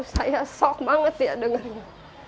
saya shock banget ya dengarnya